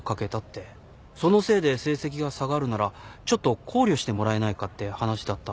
そのせいで成績が下がるならちょっと考慮してもらえないかって話だった。